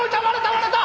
割れた！